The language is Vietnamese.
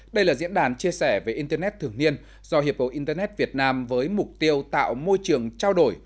đây là diễn đàn chia sẻ về internet thường niên do hiệp hội internet việt nam với mục tiêu tạo môi trường trao đổi